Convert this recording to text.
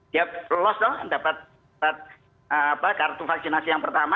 dia loss dong dapat kartu vaksinasi yang pertama